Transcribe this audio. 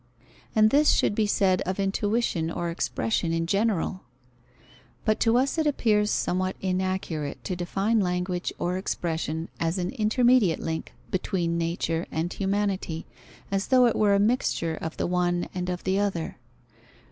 And this should be said of intuition or expression in general. But to us it appears somewhat inaccurate to define language or expression as an intermediate link between nature and humanity, as though it were a mixture of the one and of the other.